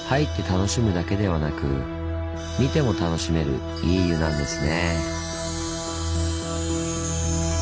楽しむだけではなく「見て」も楽しめるいい湯なんですね。